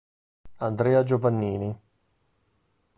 Andrea Giovannini